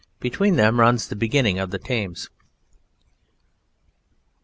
Between them runs the beginning of the Thames.